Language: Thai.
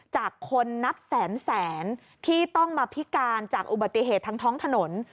จากคนนับแสนแสนที่ต้องมาพิการจากอุบัติเหตุทางท้องถนน